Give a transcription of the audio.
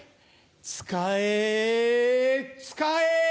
使え使え。